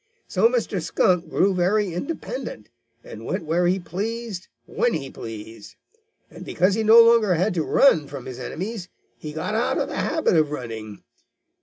So Mr. Skunk grew very independent and went where he pleased when he pleased. And, because he no longer had to run from his enemies, he got out of the habit of running.